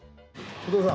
お父さん。